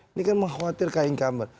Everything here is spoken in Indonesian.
ini kan mengkhawatir kain kamar